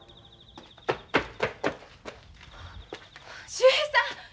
・秀平さん！